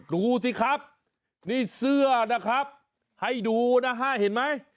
ดูสิครับนี่เสื้อนะครับให้ดูนะฮะเห็นไหม